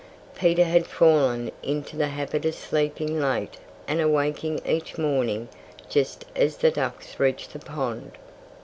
Peter had fallen into the habit of sleeping late and awaking each morning just as the ducks reached the pond.